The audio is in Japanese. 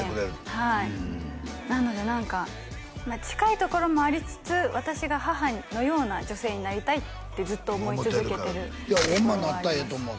はいなので何か近いところもありつつ私が母のような女性になりたいってずっと思い続けてるホンマなったらええと思う